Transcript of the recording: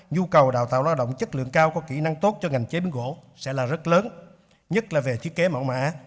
nhu cầu đào tạo lao động chất lượng cao có kỹ năng tốt cho ngành chế biến gỗ sẽ là rất lớn nhất là về thiết kế mỏng mã